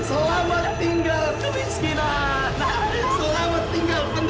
uang adalah segala galanya sayang